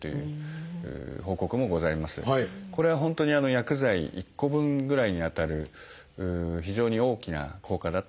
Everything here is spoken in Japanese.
これは本当に薬剤１個分ぐらいにあたる非常に大きな効果だと我々は考えております。